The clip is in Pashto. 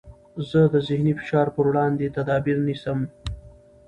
زه د ذهني فشار پر وړاندې تدابیر نیسم.